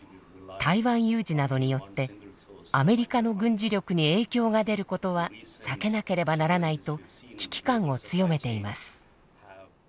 台湾有事などによってアメリカの軍事力に影響が出ることは避けなければならないと危機感を強めています。